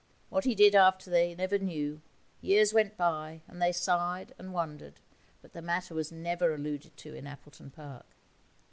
What he did after they never knew; years went by, and they sighed and wondered, but the matter was never alluded to in Appleton Park.